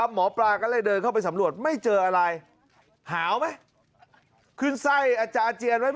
หมอปลาก็เลยเดินเข้าไปสำรวจไม่เจออะไรหาวไหมขึ้นไส้อาจารย์เจียนไว้